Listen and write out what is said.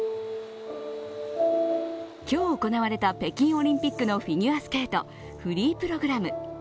今日行われた北京オリンピックのフィギュアスケート、フリープログラム。